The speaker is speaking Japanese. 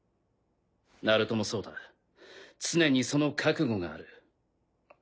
ナルトもそうだ常にその覚悟がある。